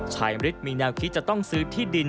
ชายอำริตมีแนวคิดจะต้องซื้อที่ดิน